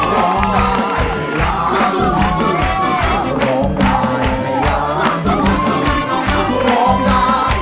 ร้องได้ให้ล้าน